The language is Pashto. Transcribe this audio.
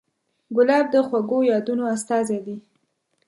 ګلاب د خوږو یادونو استازی دی.